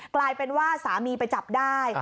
กลายเป็นว่าสามีไปจับได้